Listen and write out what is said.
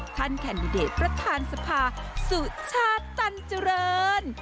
ท่านแคนดิเดตประธานสภาสุชาตน์จันทร์เจริญ